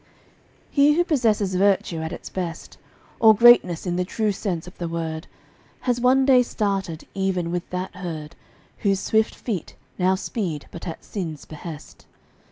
He who possesses virtue at its best, Or greatness in the true sense of the word, Has one day started even with that herd Whose swift feet now speed but at sin's behest.